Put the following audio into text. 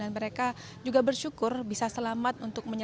dan mereka juga bersyukur bisa selamat